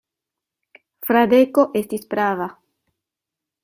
Fradeko estis prava.